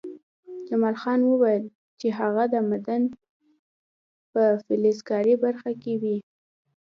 جمال خان وویل چې هغه د معدن په فلزکاري برخه کې وي